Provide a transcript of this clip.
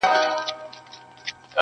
بس کارونه وه د خدای حاکم د ښار سو-